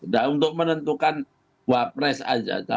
dan untuk menentukan wapres aja